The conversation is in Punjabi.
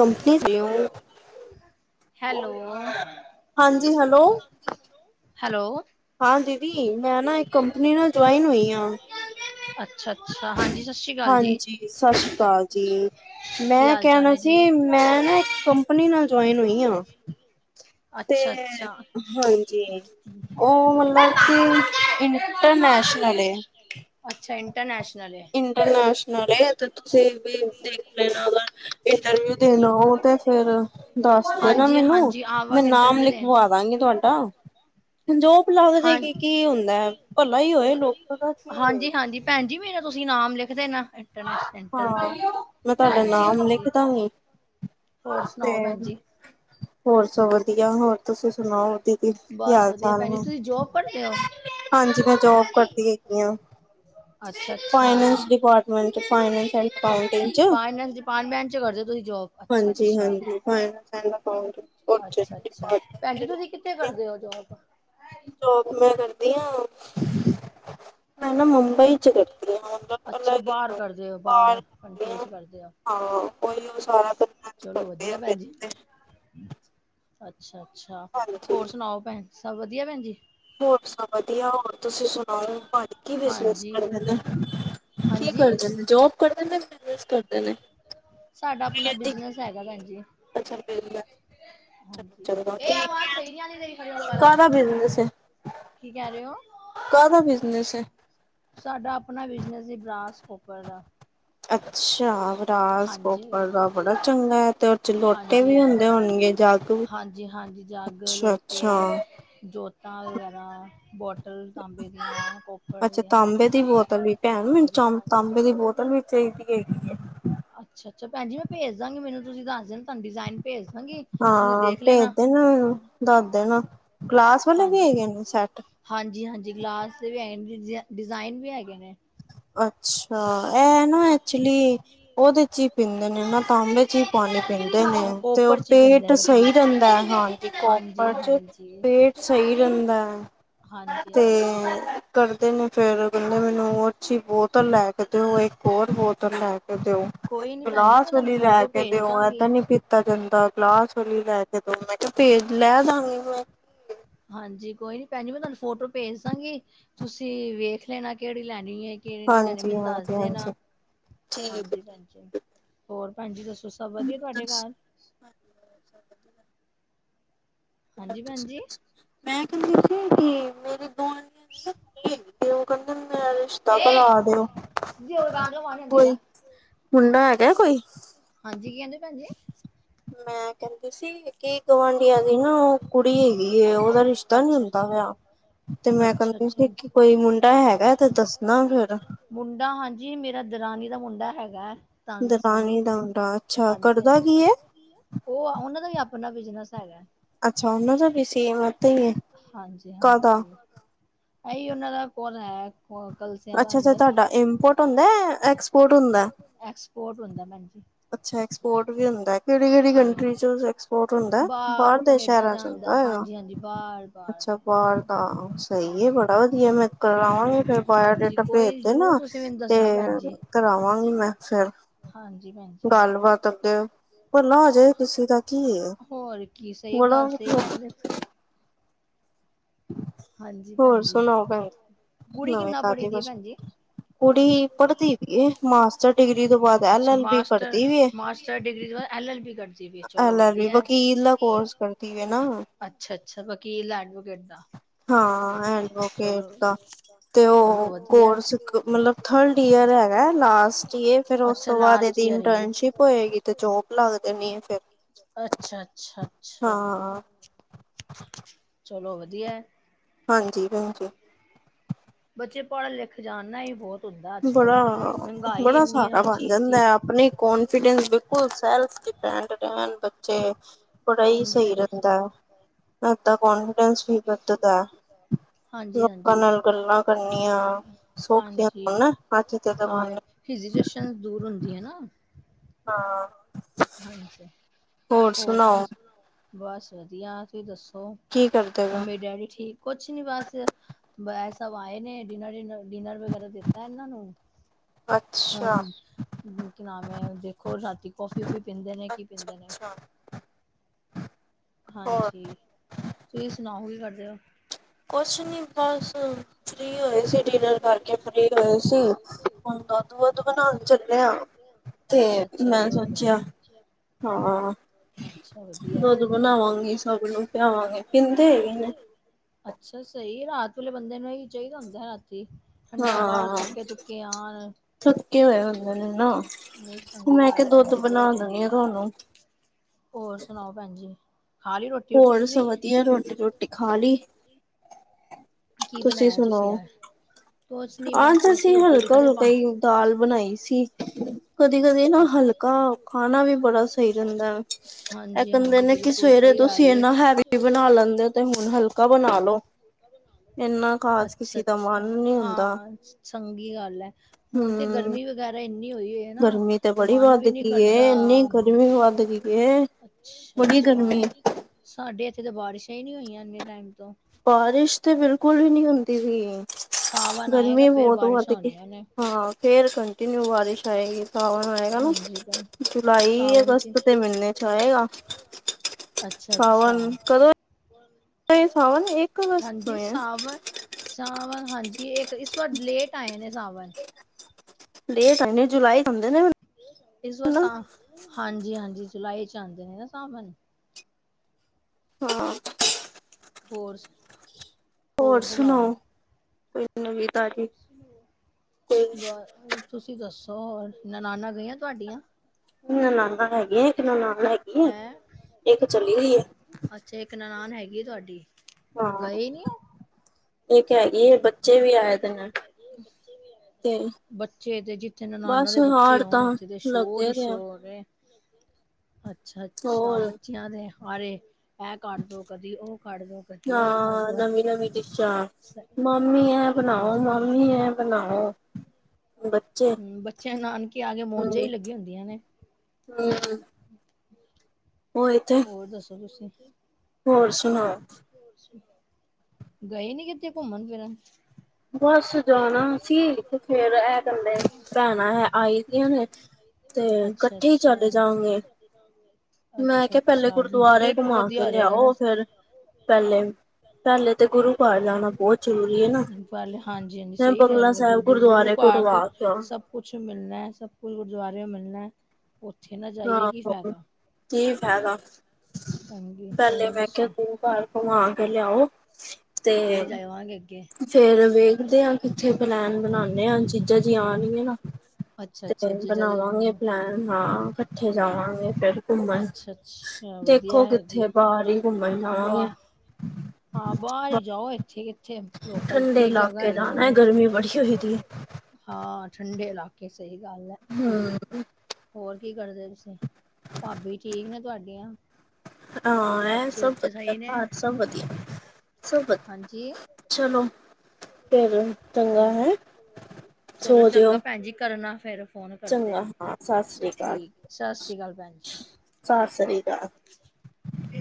ਕੰਪਨੀ ਓਂ ਹੈਲੋ। ਹਾਂਜੀ ਹੈਲੋ ਹੈਲੋ। ਹਾਂ, ਦੀਦੀ ਮੈਂ ਨਾ ਇੱਕ ਕੰਪਨੀ ਨਾਲ ਜੁਆਇਨ ਹੋਈ ਆਂ ਅੱਛਾ-ਅੱਛਾ, ਹਾਂਜੀ ਸਤਿ ਸ਼੍ਰੀ ਅਕਾਲ ਜੀ। ਹਾਂਜੀ ਸ ਸ਼੍ਰੀ ਕਾਲ ਜੀ, ਕੀ ਮੈਂ ਹਾਲ ਚਾਲ ਕਹਿਣਾ ਹੈ ਸ ਜੀ? ਦੀ ਮੈਂ ਨਾ ਇੱਕ ਕੰਪਨੀ ਨਾਲ ਜੁਆਇਨ ਹੋਈ ਆਂ। ਤੇ ਅੱਛਾ-ਅੱਛਾ, ਅੱਛਾ ਹਾਂਜੀ ਉਹ ਮਲਵ ਕੀ ਇੰਟਰਨੈਸ਼ਨਲ ਏ ਅੱਛਾ ਇੰਟਰਨੈਸ਼ਨਲ ਏ ਇੰਟਰਨੈਸ਼ਨਲ ਤੇ ਤੁਸੀਂ ਵੀ ਦੇਖ ਲੈਣਾ ਅਗਰ ਇੰਟਰਵਿਊ ਦੇਣਾ ਉਹ ਤੇ ਫੇਰ ਦੱਸ ਦੇ ਨਾ ਮੈਨੂੰ ਹਾਂਜੀ-ਹਾਂਜੀ, ਮੈਂ ਆਵਾਂਗੇ ਨਾਮ ਇੰਟਰਵਿਊ ਦੇਣ ਲਿਖਵਾ ਦਾਂਗੀ ਤੁਹਾ ਜੋਬ ਲੱਗ ਜਾ ਹਾਂ ਕਿ ਕੀ ਹੁੰਦਾ ਹੈ ਭਲਾ ਹੀ ਹੋਏ ਲੋਕ ਦਾ ਕੀ ਹੋਏ ਹਾਂਜੀ-ਹਾਂਜੀ, ਭੈਣ ਜੀ ਮੇਰਾ ਤੁਸੀਂ ਨਾਮ ਲਿਖ ਦੇਨਾ ਇੰਟਰਨੈਸ਼ ਇੰਟਰ ਹਾਂ ਮੈਂ ਤੁਹਾਡਾ ਹਾਂਜੀ ਨਾਮ ਹਾਂਜੀ। ਲਿਖ ਦਾਂਗੀ ਹੋਰ ਤੇ ਸੁਣਾਓ ਭੈਣ ਜੀ ਹੋਰ ਸਭ ਵਧੀਆ ਹੋਰ ਤੁਸੀਂ ਸੁਣਾਓ ਦੀ ਕੀ ਬਸ ਹਾਲ ਵਧੀਆ ਚਾਲ ਭੈਣ ਜੀ, ਤੁਸੀਂ ਹੈ ਜੋਬ ਕਰਦੇ ਹੋ? ਹਾਂਜੀ ਮੈਂ ਜੋਬ ਕਰਦੀ ਹੈਗੀ ਹਾਂ ਅੱਛਾ ਅੱਛਾ ਫਾਈਨੈਂਸ ਡਿਪਾਰਟ ਫਾਈ ਅਕਾਂਟਗ [unintelligible] ਡਿਾਰਟਮੈਂਟ ਚ ਕਰਦੇ ਤੁਸੀਂ ਜੋਬ ਅੱਛਾ ਹਾਂਜੀ ਅੱਛਾ ਹਾਂਜੀ ਫਾਈਨੈਂਸ ਐਂਡ ਅਕਾਊਂਟਿੰਗ ਅੱਛਾ ਅੱਛਾ ਭੈਣ ਜੀ ਡਿਪਾਰਟਮੈਂਟ ਤੁਸੀਂ ਕਿ ਕਿੱਥੇ ਕਰਦੇ ਹੋ ਜੋਬ ਜੌਬ ਮੈਂ ਕਰਦੀ ਹਾਂ ਮੈਂ ਨਾ ਮੁੰਬਈ ਚ ਕਰਦੀ ਹ ਅੱਛਾ ਬਾਹਰ ਕਰਦੇ ਹੋ ਬਾਹਰ ਕੰਟਰੀ ਚ ਕਰਦੇ ਹੋ [unintelligible] ਹਾਂ ਉਹੀਓ ਚਲੋ ਵਧੀਆ ਭੈਨ ਜੀ। ਅੱਛਾ ਅੱਛਾ, ਹਾਂਜੀ ਹੋਰ ਸੁਣਾਓ ਭੈਣ ਸਭ ਵਧੀਆ ਭੈਣ ਜੀ? ਹੋਰ ਸਭ ਵਧੀਆ, ਹੋਰ ਤੁਸੀਂ ਸੁਣ ਹਾ ਪੜਕੇ ਹਾਂਜੀ ਕਰ ਦਿੰਦੇ ਵਧੀਆ [unintelligible] ਕੀ ਹਾਂਜੀ ਕਰ ਦਿੰਦੇ ਜੋਬ ਕਰਦੇ ਨੇ ਬਿਨਸ ਕਰਦੇ ਨੇ ਸਾਡਾ ਆਪਣਾ ਬਿਜਨਸ ਹੈਗਾ ਭੈਣ ਜ ਅਛੱਲ ਚਲੋ ਇਹ ਆਵਾਜ਼ ਸਹੀ ਨਹੀਂ ਆਉਂਦੀ ਤੇਰੀ ਖੜੀ ਹੋ ਕੇ ਗੱਲ ਕਾਹਦਾ ਕਰ ਵੇਜਦੇੱਸ ਕੀ ਕਹਿ ਰਹੇ ਹੋ ਕਾਹ ਦਾ ਬਿਜਨਸ ਹੈ ਸਾਡਾ ਆਪਣਾ ਬਿਜਨਸ ਬਰਾਸਟ ਅੱਛਾ ਰਾਜ ਹਾਂਜੀ ਗੋਕਲ ਦਾ ਬੜਾ ਚੰਗਾ ਹੈ ਤੇ ਚ ਲੋਟੇ ਹਾਂਜੀ ਵੀ ਹੁੰਦੇ ਹੋਣਗੇ ਹਾਂਜੀ ਜਾਦੂ ਹਾਂਜੀ ਹਾਂਜੀ ਜੱਗ ਅੱਛਾ ਰੋਟੇ ਅੱਛਾ ਜੋਤ ਟਾਂ ਵਗੈਰਾ ਬਹੁਟ ਟ ਤਾਂਬੇ ਦੀਪੜ ਅੱਛਾ ਹਾਂਜੀ ਤਾਂਬੇ ਦੀ ਬੋਤਲ ਵੀ ਭੈਣ ਮੈਨੂੰ ਚਮ ਹਾਂ ਤਾਂਬੇ ਦੀ ਬੋਤਲ ਵੀ ਚਾਹੀਦੀ ਹੈਗੀ ਹੈ ਅੱਛਾ ਅੱਛਾ ਭੈਣ ਜ ਮੈਂ ਭੇਜ ਦਾਂਗੀ ਮੈਨੂੰ ਤੁਸੀਂ ਦੱਸ ਦਿਨ ਤੁਹਾਨੂੰ ਡਿਜ਼ਾਇਨ ਭੇਜ ਦਾਂਗੀ। ਤੁਸੀਂ ਹਾਂ ਦੇਖ ਲੈਣਾ ਭੇਜਦੇਣ ਦੱਸਦੇਣ ਕਲਾਸ ਵਾਲੇ ਹਾਂਜੀ ਭੇਜ ਗਏ ਨੇ ਸੈੱਟ, ਹਾਂਜੀ ਹਾਂਜੀ ਗਲਾਸ ਦੇ ਵੀ ਹੈਗੇ ਨੇ ਡਿਜ਼ਾਇਨ ਵੀ ਹੈਗੇ ਨੇ, ਅੱਛਾ ਇਹ ਨਾ ਐਕਚੁਲੀ ਉਹਦੇ ਚ ਹੀ ਪੀਂਦੇ ਨੇ ਨਾ ਤਾਂਬੇ ਚ ਹੀ। ਪਾਣੀ ਪੀਂਦੇ ਅੱਛਾ ਨੇ ਤੇ ਉਹ ਕੋਪਰ ਚ ਹੀ ਪੀਂਦੇ ਪੇਟ ਨੇ ਪਾ ਸਹੀ ਰਹਿੰਦਾ ਹੈ ਹਾਂਜੀ ਹਾਂਜੀ ਕੋਪਰ ਚ ਹਾਂਜੀ ਪੇਟ, ਸਹੀ ਰਹਿੰਦਾ ਹਾਂਜੀ ਅਤੇ ਹਾਂਜੀ ਕਰਦੇ ਨੇ ਫੇਿਰ ਕਹਿੰਦੇ ਮੈਨੂੰ ਅੱਛੀ ਬੋਤਲ ਲੈ ਕੇ ਦਿਓ ਇੱਕ ਹੋਰ ਬੋਤਲ ਲੈ ਕੇ, ਦਿਓ ਕੋਈ ਨੀ ਭੈਣ ਜੀ ਮੈਂ ਗਲਾਸ ਤੁਹਾਨੂੰ ਵਾਲੀ ਲੈ ਫੋਟੋ ਕੇ ਭੇਜ ਦਿਓ ਦਾਂਗੀ ਇਏਦਾਂ ਨੀ ਫ ਤਾ ਜਾਂਦਾ ਗਲਾਸ ਹਲੀ ਲੈ ਕੇ ਦੋ ਮੈਂ ਕਿਹਾ ਭੇ ਲੈ ਦਾਂਗੇ ਹਾਂਜੀ ਕੋਈ ਨੀ ਭੈਣ ਜੀ ਮੈਂ ਤੁਹਾਨੂੰ ਫੋਟੋ ਭੇਜ ਦਾਂਗੀ ਤੁਸੀਂ ਵੇਖ ਲੈਣਾ ਕਿਹੜੀ ਲੈਣੀ ਹੈ ਕਿੜ ਨ ਇਹ ਨੇ ਹਾਂਜੀ ਮੈਨੂੰ ਹਾਂਜੀ ਦੱਸਦੇ ਨਾ ਹਾਂਜੀ ਠੀਕ ਹੈ ਹਾਂਜੀ ਹਾਂਜੀ ਠੀਕ ਹੈ ਹੋਰ ਭੈਣਜੀ ਦੱਸੋ ਸਭ ਵਧੀਆ ਤੁਹਾਡੇ ਘਰ ਹਾਂਜੀ ਵਧੀ ਹੋਰ ਹਾਂਜੀ ਭੈਣ ਤੁਸੀਂ ਜੀ ਦੱਸੋ ਮੈਂ ਕਹਿੰਦੀ ਸੀ ਕਿ ਮੇਰੇ ਦੋ ਆਨ ਨਾ ਕ ਤੇ ਉਹ ਕਹਿੰਦੇ ਮ ਰਿਸ਼ਤਾ ਇਹ ਕਰ ਦਿਓ ਹੁੰਦੀ ਆ ਕੋਈ ਮੁੰਡਾ ਹੈਗਾ ਕੋਈ ਹਾਂਜੀ ਕੀ ਕਹਿੰਦੇ ਭੈ ਜੀ ਮੈਂ ਕਹਿੰਦੀ ਸੀ ਕੀ ਗੁਵਢੀਆਂ ਦੀ ਨਾ ਉਹ ਕੁੜੀ ਹੈਗੀ ਉਹਦਾ ਰਿਸ਼ਤਾ ਨੀ ਅੱਛਾ ਹੁੰਦਾ ਅੱਛਾ ਹੋਆ। ਤੇ ਮੈਂ ਅੱਛਾ ਕਹਿੰਦੀ ਅੱਛਾ ਸੀ ਕਿ ਕੋਈ ਮੁੰਡਾ ਹੈਗਾ ਤੇ ਦੱਸਣਾ ਫੇਰ। ਮੁੰਡਾ ਹਾਂਜੀ, ਮੇਰਾ ਦਰਾਨੀ ਦਾ ਮੁੰਡਾ ਹੈਗਾ। ਤੁਹਾਨੂੰ ਦੱਸਾਂਗੀ, ਦਰਾਣੀ ਦਾ ਮੁੰਡਾ ਅੱਛਾ ਕਰਦਾ ਕੀ ਏ? ਹਾਂਜੀ-ਹਾਂਜੀ। ਉਹ ਉਹਨਾਂ ਦਾ ਵੀ ਆਪਣਾ ਬਿਜਨਸ ਹੈਗਾ। ਅੱਛਾ ਉਹਨਾਂ ਦਾ ਵੀ ਸੀੇਮ ਤਾਂ ਹੀ ਐ, ਹਾਂਜੀ ਕਾਦਾ ਹਾਂਜੀ ਇਹੀ ਉਹਨਾਂ ਦਾ ਕੌਣ ਆਯਾ। ਹੋ ਕਲਸਿਆਂ ਦਾ ਅੱਛਾ-ਅੱਛਾ ਹੁੰਦਾ ਨੀ। ਤੁਹਾਡਾ ਇੰਪੋਰਟ ਹੁੰਦਾ ਐਕਸਪੋਰਟ ਹੁੰਦਾ? ਐਕਸਪੋਰਟ ਹੁੰਦਾ ਭੈਣ ਜੀ। ਅੱਛਾ ਐਕਸਪੋਰਟ ਵੀ ਹੁੰਦ ਕਿਹੜੀ-ਕਿਹੜੀ ਕੰਟਰੀ ਹਾਂਜੀ ਚ ਐਸਪੋਰਟ ਹੁੰਦਾ, ਬਾਹਰ ਦੇ ਕਨੇਡਾ ਸ਼ਹਿਰਾਂ ਚ ਜਾਂਦਾ ਹੁੰਦਾ ਹੋਏਗਾ, ਹਾਂਜੀ ਹਾਂਜੀ ਬਾਹਰ ਬਾਹਰ ਅੱਛਾ। ਬਾਰ ਦਾ, ਸਹੀ ਐ ਹਾਂਜੀ ਬੜਾ ਵਧੀਆ, ਮੈਂ ਕਰਵਾਂਗੀ ਫੇਰ ਬਾਇਓ ਹਾਂਜੀ ਡੇਟਾ ਭੇਜ ਕੋਈ ਦੇ ਜ਼ਰੂਰ ਨਾ। ਤੁਸੀਂ ਮੈਨੂੰ ਤੇ ਦੱਸਣਾ ਭੈਣ ਜੀ ਕਰਾਵਾਂਗੀ ਮੈਂ ਫੇਰ ਹਾਂਜੀ ਭੈਣਜੀ ਭਲਾ ਹੋ ਜਾਏ ਕਿਸੇ ਦਾ ਕੀ ਹੈ ਹੋਰ ਕੀ ਸਹੀ ਬੜਾ ਗੱਲ ਸਹੀ ਮਤਲਬ। ਕਹਿੰਦੇ ਹਾਂਜੀ ਹੋਰ ਭੈਣਜੀ ਸੁਣਾਓ ਭੈਣ ਕੁੜੀ ਨਵੀਂ ਕਿੰਨਾ ਪੜ੍ਹੀ ਤਾਜੀ ਦੀ ਹੈ ਕੁਛ ਭੈਣਜੀ ਕੁੜੀ ਪੜ੍ਹਦੀ ਵੀ ਹੈ, ਮਾਸਟਰ ਡਿਗਰੀ ਤੋਂ ਬਾਅਦ ਐਲ ਅੱਛਾ ਐਲ ਬੀ ਮਾਸਟਰ ਕਰਦੀ ਵੀ ਹੈ। ਮਾਸਟਰ ਡਿਗਰੀ ਤੋਂ ਬਾਅਦ ਐਲ ਐਲ ਬੀ ਕਰਦੀ ਪਈ ਚਲੋ ਐਲ ਐਲ ਬੀ ਵਧੀਆ। ਵਕੀਲ ਦਾ ਕੋਰਸ ਕਰਦੀ ਹੈ ਨਾ ਅੱਛਾ-ਅੱਛਾ, ਵਕੀਲ ਐਡਵੋਕੇਟ ਦਾ। ਹਾਂ ਐਡਵੋਕੇਟ ਚਲੋ, ਦਾ ਤੇ ਚਲੋ ਉਹ ਵਧੀਆ। ਕੋਰਸ ਮਤਲਬ ਥਰਡ ਈਅਰ ਹੈਗਾ ਲਾਸਟ ਈਅਰ ਫਿਰ ਉਸ ਅੱਛਾ, ਤੋਂ ਬਾਅਦ ਲਾਸਟ ਇਹਦੀ ਈਅਰ ਹੀ ਏ। ਇੰਟਰਨਸ਼ਿਪ ਹੋਏਗੀ ਤੇ ਜੋਬ ਲੱਗ ਜਾਣੀ ਹੈ ਫਿਰ ਅੱਛਾ, ਅੱਛਾ, ਅੱਛਾ। ਹਾਂ ਚਲੋ ਵਧੀਆ। ਹਾਂਜੀ ਭੈਣਜੀ। ਬੱਚੇ ਪੜ੍ਹ ਲਿਖ ਜਾਣ ਨਾ ਇਹੀ ਬੋਤ ਬੜਾ, ਬੜਾ ਸਾਰਾ ਹਰ ਬਣ ਚੀਜ਼ ਜਾਂਦਾ ਦੀ। ਐ ਆਪਣੇ ਕੋਨਫੀਡੈਂਸ ਬਿਲਕੁਲ ਸੈਲਫ ਡਿਪੈਂਡ ਰਹਿਣ ਬੱਚੇ। ਬੜਾ ਹੀ ਹਾਂਜੀ ਸਹੀ ਭੈਣ ਜੀ, ਰਹਿੰਦੈ, ਇੱਦਾ ਕੌਂਫੀਡੈਂਸ ਵੀ ਵੱਧਦਾ। ਹਾਂਜੀ ਲੋਕਾਂ ਹਾਂਜੀ ਨਾਲ ਗੱਲਾਂ ਕਰਨੀਆਂ, ਸੌਖੀਆਂ ਹਾਂਜੀ। ਨਾ ਅੱਜ ਦੇ ਹਾਂ, ਜ਼ਮਾਨੇ ਹੀਜੀਟੇਸ਼ਨ ਦੂਰ ਹੁੰਦੀ ਐ ਨਾ। ਹਾਂ। ਹਾਂਜੀ। ਹੋਰ ਸੁ, ਬਸ ਵਧੀਆ ਤੁਸੀਂ ਦੱਸੋ, ਕੀ ਕਰਦੇ ਪਏ ਮੰਮੀ ਡੈਡੀ ਠੀਕ। ਕੁੱਛ ਨੀ ਬਸ, ਵੈਸਭ ਆਏ ਨੇ ਡਿਨਰ ਡਿਨਰ ਡਿਨਰ ਵਗੈਰਾ ਦਿੱਤਾ ਇਹਨਾਂ ਨੂੰ, ਅੱਛਾ ਹੁਣ ਕੀ ਨਾਮ ਏ ਦੇਖੋ ਰਾਤੀ ਕੌਫੀ ਕੂਫੀ ਪੀਂਦੇ ਨੇ ਕੀ ਅੱਛਾ ਪੀਂਦੇ ਨੇ। ਅੱਛਾ ਹੋਰ ਹਾਂਜੀ, ਤੁਹੀ ਸੁਣਾਓ ਕੀ ਕਰਦੇ ਹੋ? ਕੁਛ ਨੀ ਬਸ, ਫ੍ਰੀ ਹੋਏ ਸੀ ਡਿਨਰ ਕਰਕੇ ਫ੍ਰੀ ਹੋਏ ਸੀ। ਹੁਣ ਦੁੱਧ ਵੂਧ ਬਣਾਣ ਚਲੇ ਆਂ ਤੇ ਅੱਛਾ ਅੱਛਾ ਮੈਂ ਦੁੱਧ ਸੋਚਿਆ ਹਾਂ, ਅੱਛਾ ਵਧੀਆ ਦੁੱਧ ਵਧੀਆ ਬਣਾਵਾਂਗੀ ਸਭ ਨੂੰ ਪਿਆਵਾਂਗੇ, ਪੀਂਦੇ ਹੈਗੇ ਨੇ। ਅੱਛਾ, ਸਹੀ ਰਾਤ ਵਲੇ ਬੰਦੇ ਨੂੰ ਹੀ ਚਾਹੀਦਾ ਹੁੰਦਾ ਐ, ਰਾਤ ਠੰਡਾ ਬਾਹਰੋਂ ਹਾਂ। ਥੱਕੇ ਥੁਕੇ ਆਣ। ਥੱਕੇ ਹੋਏ ਹੁੰਦੇ ਨੇ ਨਾ, ਚੰਗੀ ਮੈਂ ਗੱਲ ਕਿਹਾ ਹੈ ਭੈਣ ਦੁੱਧ ਜੀ ਬਹੁਤ ਬਣਾ ਦੇਣੀ ਚੰਗੀ ਆ ਗੱਲ ਹੈ ਤੁਹਾਨੂੰ। ਹੋਰ ਸੁਣਾਓ ਭੈਣ ਜੀ। ਖਾ ਲਈ ਰੋਟੀ ਰੋਟੀ ਹੋਰ ਤੁਸੀਂ ਸਬ ਵਧੀਆ, ਰੋਟੀ ਰੁਟੀ ਖਾ ਲਈ? ਕੀ ਤੁਸੀਂ ਬਣਾਇਆ ਸੁਣਾਓ, ਯਾਰ ਕੁਛ ਨੀ ਆਜ ਬਸ ਅਸੀਂ ਰੋਟੀ ਰੋਟੀ ਹਲਕਾ ਖਾਦੇ ਹੁਲਕਾ ਪਾ ਈ ਦਾਲ ਬਣਾਈ ਸੀ। ਕਦੀ-ਕਦੀ ਨਾ ਹਲਕਾ ਖਾਣਾ ਵੀ ਬੜਾ ਸਹੀ ਰਹਿੰਦਾ, ਇਹ ਹਾਂਜੀ ਕਹਿੰਦੇ ਹਾਂਜੀ ਨਾ ਕਿਸ ਬਿਲਕੁਲ ਸਵੇਰੇ ਸਹੀ ਤੁਸੀਂ ਗੱਲ ਏ। ਇਨਾ ਹੈਵੀ ਬਣਾ ਲੈਂਦੇ ਹੋ ਤੇ ਹੁਣ ਹਲਕਾ ਬਣਾ ਲੋ। ਇੰਨਾ ਖਾਸ ਕਿਸੇ ਦਾ ਅੱਛਾ-ਅੱਛਾ, ਮਨ ਨਹੀਂ ਹੁੰਦਾ ਹਾਂ ਸੰਗੀ ਗੱਲ ਐ, ਹੁਣ ਤੇ ਹੂੰ। ਗਰਮੀ ਵਗੈਰਾ ਇੰਨੀ ਹੋਈ ਨਾ ਗਰਮੀ ਤੇ ਬੜੀ ਮਨ ਵੀ ਵੱਧ ਨੀ ਗਈ ਕਰਦਾ, ਏ ਇੰਨੀ ਗਰਮੀ ਵੱਧ ਗਈ ਏ ਅੱਛਾ ਬੜੀ ਗਰਮੀ ਅੱਛਾ। ਸਾਡੇ ਇੱਥੇ ਤਾਂ ਬਾਰਿਸ਼ਾਂ ਹੀ ਨਹੀਂ ਹੋਈਆਂ ਇੰਨੇ ਟਾਈਮ ਤੋਂ। ਬਾਰਿਸ਼ ਤੇ ਬਿਲਕੁਲ ਵੀ ਨਹੀਂ ਹੁੰਦੀ ਪਈ, ਸਾਵਨ ਆਏਗਾ ਗਰਮੀ ਫੇਰ ਬਹੁਤ ਵਧ ਬਾਰਿਸ਼ਾਂ ਗਈ ਹੋਣੀਆਂ ਨੇ ਹਾਂ। ਫੇਰ ਕੋਟੀਨਿਊ ਬਾਰਿਸ਼ ਆਏਗੀ ਤਾਂ ਆਏਗਾ ਨਾ, ਹਾਂਜੀ ਭੈਣ। ਜੁਲਾਈ ਸਾਵਨ ਜੀ ਅਗਸਤ ਦੇ ਮਹੀਨੇ ਚ ਆਏਗਾ। ਅੱਛਾ ਅੱਛਾ ਹਵਨ ਕਦੋਂ? [unintelligible] ਤਾਂ ਇਹ ਸਾਵਣ ਇੱਕ ਵਸ ਤੋਂ ਹੋਏ ਆ। ਸਾਵਣ ਹਾਂਜੀ, ਇੱਕ ਇਸ ਵਾਰ ਲੇਟ ਆਏ ਨੇ ਸਾਵਣ। ਲੇਟ ਹਨੀ ਜੁਲਾਈ ਹੁੰਦੇ ਨੇ। ਇਸ ਹਾਂ ਵਾਰ ਹਾਂਜੀ ਹਾਂਜੀ ਜੁਲਾਈ ਚ ਆਂਦੇ ਨੇ ਨਾ ਸਾਵਣ। [unintelligible] ਹਾਂ। ਹੋਰ? ਹੋਰ ਸੁਣਾਓ, ਕੋਈ ਨਵੀਂ ਤਾਜੀ। ਵਾ ਤੁਸੀਂ ਦੱਸੋ ਹੋਰ ਨਨਾਨਾ ਗਈਆਂ ਤੁਹਾਡੀਆਂ? ਨਨਾਨਾ ਹੈਗੀ ਐ, ਇੱਕ ਨਨਾਨ ਹੈਗੀ ਐ ਹੈਂ ਇੱਕ ਚੱਲੀ ਗਈ ਐ। ਅੱਛਾ ਇੱਕ ਨਨਾਾਣ ਹੈਗੀ ਏ ਤੁਹਾਡੀ ਗਏ ਨੀ ਓ। ਇਕ ਹੈਗੀ ਏ ਬੱਚੇ ਵੀ ਆਏ ਦੇ ਨੇ ਇੱਕ ਹੈਗੀ ਏ ਬੱਚੇ ਵੀ ਆਏ ਨੇ। ਤੇ ਬੱਚੇ ਤੇ ਜਿੱਥੇ ਨਨਾਣਾਂ ਬਸ ਦੇ ਬੱਚੇ ਹਾਰ ਹੋਣ ਤਾਂ ਉੱਥੇ ਤੇ ਸ਼ੋਰ ਹੀ ਲੱਗੇ ਦੇ ਆ ਸ਼ੋਰ ਐ। [inaudible] ਅੱਛਾ ਅੱਛਾ, ਹੋਰ ਬੱਚਿਆਂ ਦੇ ਆਰੇ ਇਹ ਕਰ ਦੋ ਕਦੀ ਉਹ ਕਰ ਦੋ। ਕਦੀ ਉਹ ਕੱਢ ਹਾਂ ਦੋ ਨਵੀਂ ਨਵੀਂ ਡਿਸ਼ਾਂ ਸ- ਮਾਮੀ ਐ ਬਣਾਓ ਹਾਂਜੀ ਮਾਮੀ ਐ ਬਣਾਓ। ਬੱਚੇ ਹੂੰ ਬੱਚਿਆਂ ਨੂੰ ਨਾਨਕੇ ਆ ਕੇ ਮੌਜਾਂ ਹੀ ਹੂੰ ਲੱਗੀਆਂ ਹੁੰਦੀਆਂ ਨੇ। ਹੂੰ। ਓ ਇਥੇ ਹੀ ਹੋਰ ਦੱਸੋ ਤੁਸੀਂ? ਹੋਰ ਸੁਣਾਓ। ਗਏ ਨੀ ਕਿਤੇ ਘੁੰਮਣ ਫਿਰਨ? ਬਸ ਜਾਣਾ ਸੀ ਤੇ ਫੇਰ ਐ ਕਹਿੰਦੇ ਭੈਣਾਂ ਆਈ ਦੀਆਂ ਨੇ। ਤੇ ਅੱਛਾ ਇਕੱਠੇ ਹੀ ਅੱਛਾ ਚਲੇ ਜਾਾਂਗੇ। ਮੈਂ ਅੱਛਾ ਕਿਹਾ ਪਹਿਲੇ ਅੱਛਾ ਗੁਰਦੁਆਰੇ ਟ੍ਰਿਪ ਘੁਮਾਂ ਕੇ ਵਧੀਆ ਹੋ ਜਾਏਗਾ ਨਾ ਲਿਆਓ ਫੇਰ ਪਹਿਲੇ ਪਹਿਲੇ ਤਾਂ ਗੁਰੂ ਘਰ ਜਾਣਾ ਬਹੁਤ ਜ਼ਰੂਰੀ ਏ ਨਾ, ਪਹਿਲੇ ਹਾਂਜੀ ਹਾਂਜੀ ਫੇਰ ਸਹੀ ਬੰਗਲਾ ਗੱਲ ਹੈ। ਸਾਹਿਬ ਗੁਰਦੁ ਗੁਰੂ ਗੁਰਦੁਆਰੇ ਤੋਂ ਘਰ ਕੋ [inaudible] ਸਭ ਕੁਛ ਮਿਲਣਾ ਐ, ਸਭ ਕੁਛ ਗੁਰਦੁਆਰੇਓ ਮਿਲਣਾ ਏ। ਆਹੋ [unintelligible] ਕੀ ਫਾਇਦਾ। ਚੰਗੀ ਪਹਿਲੇ ਹੋਰ ਮੈਂ ਕਿਹਾ ਦੱਸੋ ਗੁਰੂਘਰ ਘੁਮਾ ਕੇ ਲਿਆਓ ਤੇ ਫੇਰ ਜਾਵਾਂਗੇ ਅੱਗੇ। ਫੇਰ ਵੇਖਦੇ ਆ, ਕਿੱਥੇ ਪਲੈਨ ਬਣਾਉਦੇ ਆ ਜਿੰ ਤੇ ਜੇ ਆਣ ਵੀ ਨਾ, ਅੱਛਾ ਤੇ ਅੱਛਾ ਜੀਜਾ ਜੀ ਆਏ ਬਣਾਵਾਂਗੇ ਨੇ। ਪਲੈਨ। ਹਾਂ, ਇਕੱਠੇ ਜਾਵਾਂਗੇ ਫੇਰ। ਘੁੰਮਣ, ਅੱਛਾ ਅੱਛਾ ਵਧੀਆ ਦੇਖੋ ਹੈ ਕਿੱਥੇ ਵਧੀਆ ਬਾਹਰ ਹੀ ਘੁੰਮਣ ਜਾਵਾਂਗੇ। ਵਾਹ ਹਾਂ ਬਾਹਰ ਹੀ ਜਾਓ ਇਥੇ ਲੋਕਲ ਠੰਡੇ ਕੀ ਜਗ੍ਹਾ ਇਲਾਕੇ ਹੈਗੀਆਂ ਜਾਣਾ ਹੈ ਨੇ। ਗਰਮੀ ਬੜੀ ਹੋਈ ਦੀ ਹੈ ਹਾਂ, ਠੰਡੇ ਇਲਾਕੇ ਸਹੀ ਗੱਲ ਐ। ਹੂ। ਹੋਰ ਕੀ ਕਰਦੇ ਤੁਸੀਂ ਭਾਬੀ ਠੀਕ ਨੇ ਤੁਹਾਡੀਆਂ ਹਾਂ ਇਹ ਬੱਚੇ ਸਭ ਬੱਚੇ ਵਧੀਆ ਸਹੀ ਨੇ? ਘਰ ਸਭ ਵਧੀਆ ਸਭ ਵਧੀਆ ਹਾਂਜੀ ਚਲੋ ਫਿਰ ਚੰਗਾ ਹਾਂਜੀ ਹੈ ਸੋ ਜਿਓ। ਹਾਂ ਜੀ ਕਰਨਾ ਫੇਰ ਫੋਨ। ਕਰਦੇ ਚੰਗਾ ਆ। ਹਾਂ ਸਤਿ ਸ੍ਰੀ ਅਕਾਲ ਠੀਕ ਸਤਿ ਸ਼੍ਰੀ ਅਕਾਲ ਭੈਣ ਜੀ। ਸਤਿ ਸ੍ਰੀ ਅਕਾਲ